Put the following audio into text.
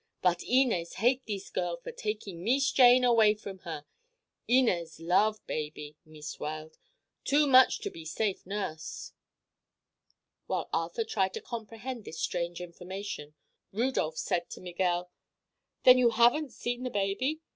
But Inez hate thees girl for taking Mees Jane away from her. Inez love baby, Meest Weld; too much to be safe nurse." While Arthur tried to comprehend this strange information Rudolph said to Miguel: "Then you haven't seen the baby?